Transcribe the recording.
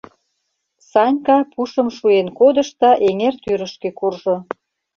Санька пушым шуэн кодыш да эҥер тӱрышкӧ куржо.